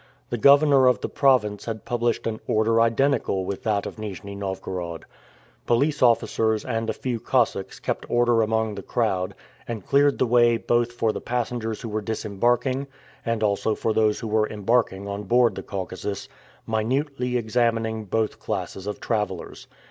The governor of the province had published an order identical with that of Nijni Novgorod. Police officers and a few Cossacks kept order among the crowd, and cleared the way both for the passengers who were disembarking and also for those who were embarking on board the Caucasus, minutely examining both classes of travelers.